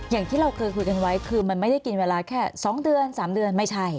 อย่างที่เราเคยคุยกันไว้คือมันไม่ได้กินเวลาแค่๒เดือน๓เดือนไม่ใช่